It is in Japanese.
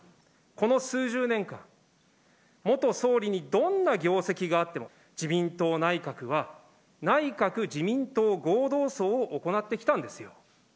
この数十年間、元総理にどんな業績があっても、自民党内閣は、内閣・自民党合同葬を行ってきたんですよ。